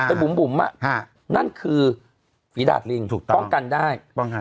เป็นบุ๋มบุ๋มอ่ะฮะนั่นคือฝีดาตริงถูกต้องป้องกันได้ป้องกัน